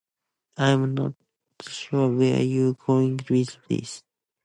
I'm not sure where you're going with this.